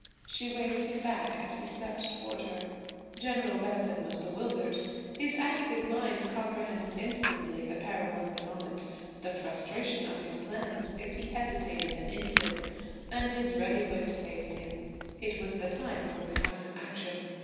She waved him back as he stepped toward her. General Benson was bewildered; his active mind comprehended instantly the peril of the moment–the frustration of his plans if he hesitated an instant–and his ready wit saved him. It was the time for decisive action.